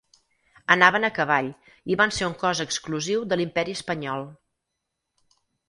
Anaven a cavall i van ser un cos exclusiu de l'imperi espanyol.